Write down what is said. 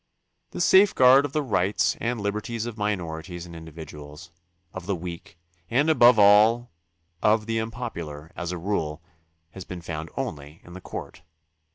The safeguard of the rights and liberties of minorities and individuals, of the weak, and above all of the unpopular, as a rule, has been found only in the court.